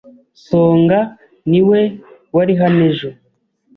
Songa niwe wari hano ejo.